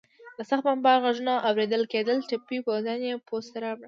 د سخت بمبار غږونه اورېدل کېدل، ټپي پوځیان یې پوستې ته راوړل.